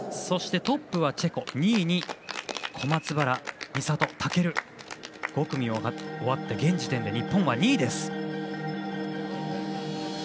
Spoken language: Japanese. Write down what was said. そして、トップはチェコ２位に小松原美里と尊５組終わって現時点で日本は２位です。